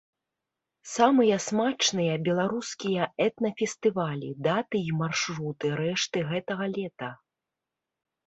Самыя смачныя беларускія этна-фестывалі, даты і маршруты рэшты гэтага лета.